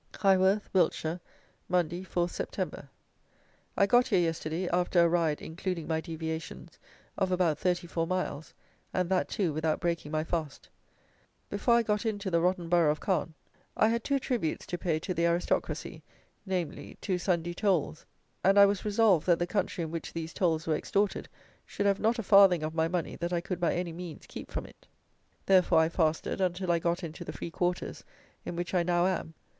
Highworth (Wilts), Monday, 4th Sept. I got here yesterday, after a ride, including my deviations, of about thirty four miles, and that, too, without breaking my fast. Before I got into the rotten borough of Calne, I had two tributes to pay to the Aristocracy; namely, two Sunday tolls; and I was resolved that the country in which these tolls were extorted should have not a farthing of my money that I could by any means keep from it. Therefore I fasted until I got into the free quarters in which I now am.